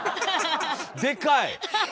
でかい！